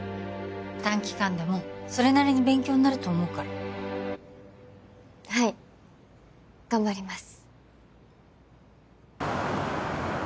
短期間でもそれなりに勉強になると思うからはい頑張ります